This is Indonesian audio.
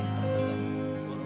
eh eh eh awas